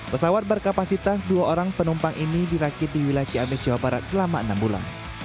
pesawat berkapasitas dua orang penumpang ini dirakit di wilayah ciamis jawa barat selama enam bulan